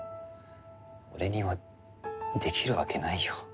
俺にはできるわけないよ。